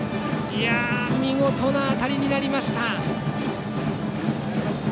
見事な当たりになりました。